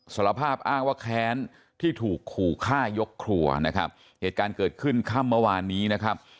สารภาพอ้างว่าแค้นที่ถูกขู่ฆ่ายกครัวนะครับเหตุการณ์เกิดขึ้นค่ำเมื่อวานนี้นะครับ